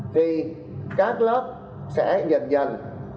thì các lớp sẽ dần dần